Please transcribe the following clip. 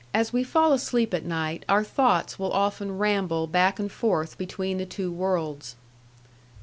As we fall asleep at night, our thoughts will often ramble back and forth between the two worlds.